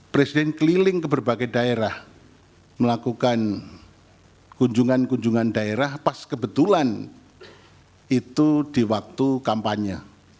presiden keliling ke berbagai daerah melakukan kunjungan kunjungan daerah pas kebetulan itu di waktu kampanye